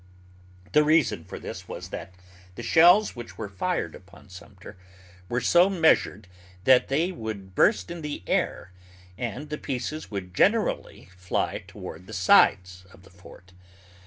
The reason for this was that the shells which were fired upon Sumter were so measured that they would burst in the air, and the pieces would generally fly toward the sides of the fort.